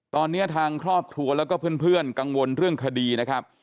ตอนนี้ทางครอบครัวแล้วก็เพื่อนกังวลเรื่องคดีนะครับ